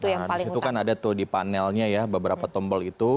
nah disitu kan ada tuh di panelnya ya beberapa tombol itu